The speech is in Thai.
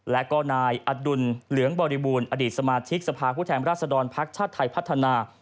และก็นายอดุลเหลืองบริบูรณ์อดีตสมาชิกสภาพผู้แทนราชดรภักดิ์ชาติไทยพัฒนา